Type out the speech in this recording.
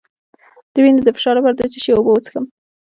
د وینې د فشار لپاره د څه شي اوبه وڅښم؟